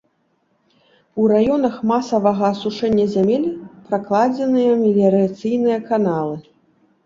У раёнах масавага асушэння зямель пракладзеныя меліярацыйныя каналы.